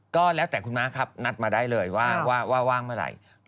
ก็แล้วแต่คุณม้าครับนัดมาได้เลยว่าว่างเมื่อไหร่